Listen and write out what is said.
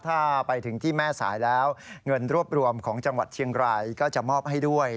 ถ้าไปถึงที่แม่สายแล้วเงินรวบรวมของจังหวัดเชียงรายก็จะมอบให้ด้วย